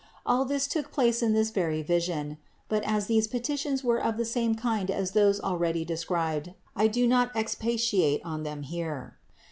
All this took place in this very vision; but as these petitions were of the same kind as those already described, I do not expatiate on them here.